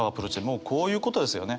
もうこういうことですよね。